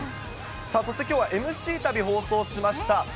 さあそして、きょうはＭＣ旅放送しました。